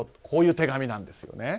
こういう手紙なんです。